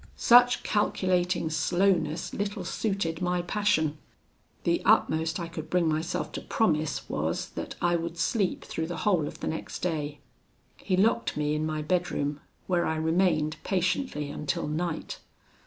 Such calculating slowness little suited my passion. The utmost I could bring myself to promise was, that I would sleep through the whole of the next day. He locked me in my bedroom, where I remained patiently until night.